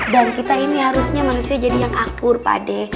dan kita ini harusnya manusia jadi yang akur pak de